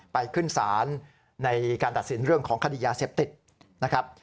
ไปขึ้นศาลในการตัดสินเรื่องของคดียาเสพติดนะครับ